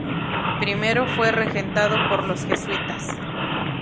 Primero fue regentado por los jesuitas.